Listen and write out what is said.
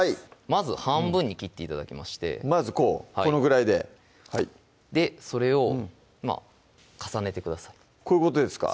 まず半分に切って頂きましてまずこうこのぐらいでそれを重ねてくださいこういうことですか？